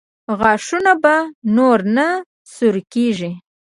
غاښونه به نور نه سوري کېږي؟